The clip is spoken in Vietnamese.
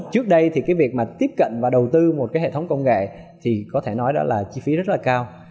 trước đây thì cái việc mà tiếp cận và đầu tư một cái hệ thống công nghệ thì có thể nói đó là chi phí rất là cao